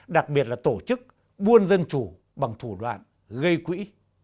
đặc biệt là tổ chức buôn dân chủ bằng thủ đoạn gây quỹ